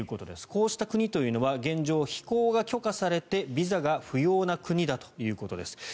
こうした国というのは現状、飛行が許可されてビザが不要な国だということです。